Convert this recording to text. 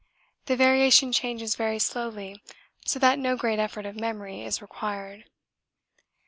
The variation changes very slowly so that no great effort of memory is required.